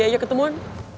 mau diajak ketemuan